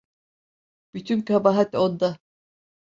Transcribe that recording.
Bütün kabahat onda.